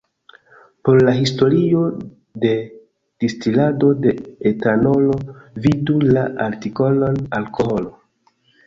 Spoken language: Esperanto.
Por la historio de distilado de etanolo, vidu la artikolon Alkoholo.